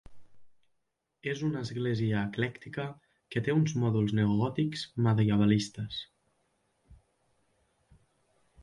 És una església eclèctica que té uns mòduls neogòtics medievalistes.